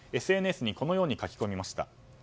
ＳＮＳにこのように書き込みました。